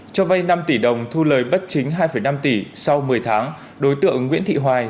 cho vay năm tỷ đồng thu lời bất chính hai năm tỷ sau một mươi tháng đối tượng nguyễn thị hoài